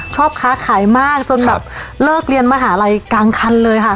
ชอบค้าขายมากจนแบบเลิกเรียนมหาลัยกลางคันเลยค่ะ